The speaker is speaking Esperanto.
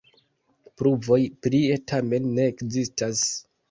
Pruvoj prie tamen ne ekzistas.